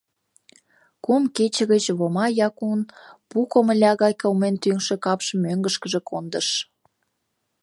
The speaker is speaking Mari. Кум кече гыч Вома Якун пу комыля гай кылмен тӱҥшӧ капшым мӧҥгышкыжӧ кондыш.